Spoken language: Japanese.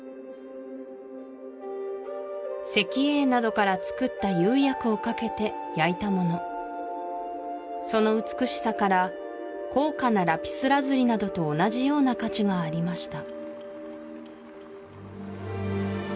石英などから作った釉薬をかけて焼いたものその美しさから高価なラピスラズリなどと同じような価値がありました